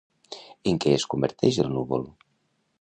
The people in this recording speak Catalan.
En què es converteix el núvol?